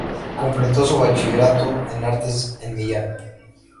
Completó su bachillerato en artes en Milán.